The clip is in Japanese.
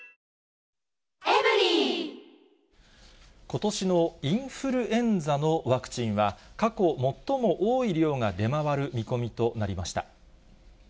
ことしのインフルエンザのワクチンは、過去最も多い量が出回る見込みとなりました。